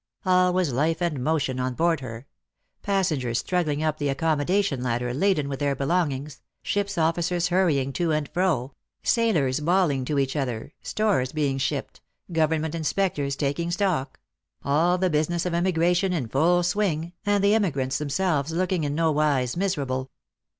All was life and motion on board her : passengers struggling up the accommodation ladder laden with their belong ings, ship's officers hurrying to and fro, sailors bawling to each other, stores being shipped, government inspectors taking stock, — all the business of emigration in full swing, and the emigrants themselves looking in nowise miserable.